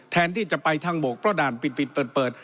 แทนที่จะไปทางบกเพราะด่านปิดเปิด